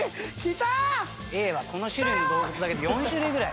Ａはこの種類の動物だけで４種類ぐらい。